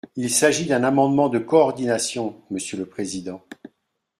Il s’agit d’un amendement de coordination, monsieur le président.